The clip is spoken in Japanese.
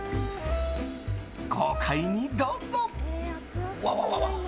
豪快にどうぞ！